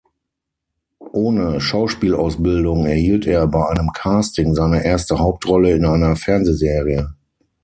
Ohne Schauspielausbildung erhielt er bei einem Casting seine erste Hauptrolle in einer Fernsehserie.